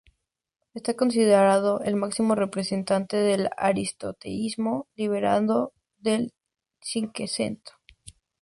Está considerado el máximo representante del aristotelismo literario del Cinquecento.